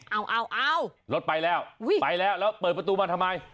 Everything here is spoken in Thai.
เอาเอารถไปแล้วไปแล้วเปิดประตูมาทำไม